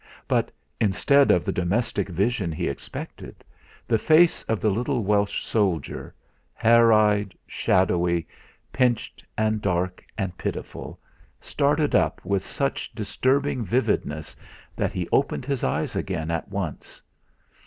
But instead of the domestic vision he expected, the face of the little Welsh soldier, hare eyed, shadowy, pinched and dark and pitiful, started up with such disturbing vividness that he opened his eyes again at once.